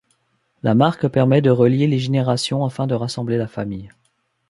La marque permet de relier les générations afin de rassembler la famille.